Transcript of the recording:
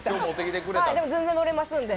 でも全然、乗れますんで。